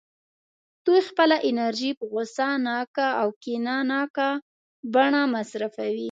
دوی خپله انرژي په غوسه ناکه او کینه ناکه بڼه مصرفوي